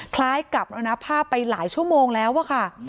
คล้ายกับมรณภาพไปหลายชั่วโมงแล้วอะค่ะ